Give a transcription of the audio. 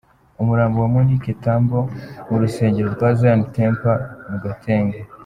Umurambo wa Monique Tambo mu rusengero rwa Zion Temple mu Gatenga.